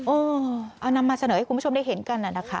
เอานำมาเสนอให้คุณผู้ชมได้เห็นกันน่ะนะคะ